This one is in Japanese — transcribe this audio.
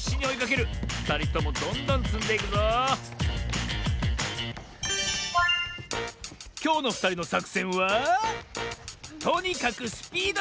ふたりともどんどんつんでいくぞきょうのふたりのさくせんはとにかくスピードしょうぶ！